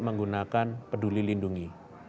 menggunakan peduli lindungi